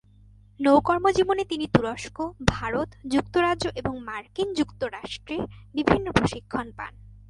নৌ কর্মজীবনে তিনি তুরস্ক, ভারত, যুক্তরাজ্য এবং মার্কিন যুক্তরাষ্ট্রে বিভিন্ন প্রশিক্ষণ পান।